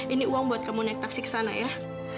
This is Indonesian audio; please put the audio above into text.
ini uang buat kamu naik taksi kesana ya